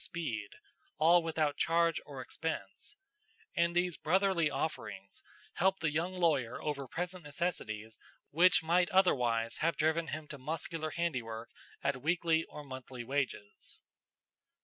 Speed, all without charge or expense; and these brotherly offerings helped the young lawyer over present necessities which might otherwise have driven him to muscular handiwork at weekly or monthly wages.